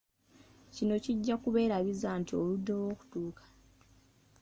Kino kijja kubeerabiza nti oluddewo okutuuka.